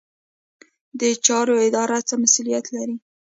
د چارو اداره څه مسوولیت لري؟